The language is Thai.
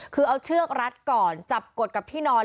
คือเอาเชือกรัดก่อนจับกดกับที่นอน